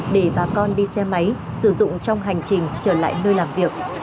để bà con đi xe máy sử dụng trong hành trình trở lại nơi làm việc